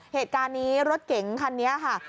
เหตุการณ์นี้รถเก๋งคันนี้ค่ะ